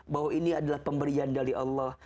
bahwa ini adalah pemberian dari allah